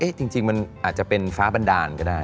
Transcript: จริงมันอาจจะเป็นฟ้าบันดาลก็ได้